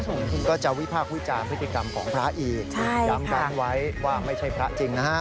ก็จะวิพากษ์วิจารณ์พฤติกรรมของพระอีกใช่ย้ำกันไว้ว่าไม่ใช่พระจริงนะฮะ